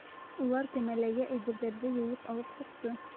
Улар кәмәләге әйберҙәрҙе йыйып алып сыҡты.